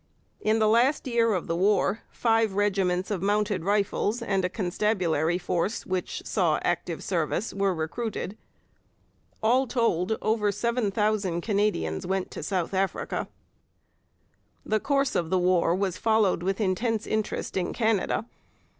In the last year of the war five regiments of Mounted Rifles and a Constabulary Force, which saw active service, were recruited. All told, over seven thousand Canadians went to South Africa. The course of the war was followed with intense interest in Canada.